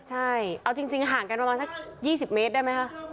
ใช่เอาจริงห่างกันประมาณสัก๒๐เมตรได้ไหมคะ